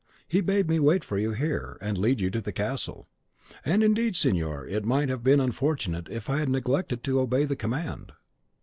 He bade me wait for you here, and lead you to the castle. And indeed, signor, it might have been unfortunate if I had neglected to obey the command."